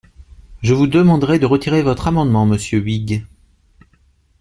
Je vous demanderai de retirer votre amendement, monsieur Huyghe.